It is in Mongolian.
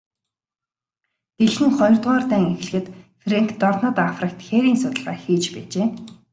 Дэлхийн хоёрдугаар дайн эхлэхэд Фрэнк дорнод Африкт хээрийн судалгаа хийж байжээ.